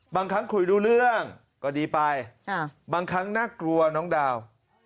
บางครั้งคุยรู้เรื่องก็ดีไปบางครั้งน่ากลัวน้องดาว